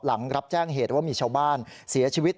หลังรับแจ้งเหตุว่ามีชาวบ้านเสียชีวิต